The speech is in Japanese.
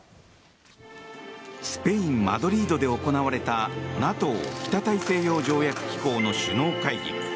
スペイン・マドリードで行われたＮＡＴＯ・北大西洋条約機構の首脳会議。